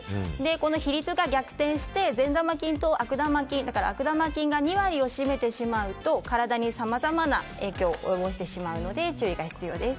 この比率が逆転して悪玉菌が２割を占めてしまうと体にさまざまな影響を及ぼしてしまうと注意が必要です。